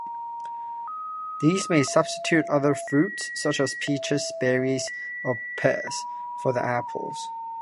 These may substitute other fruits, such as peaches, berries, or pears, for the apples.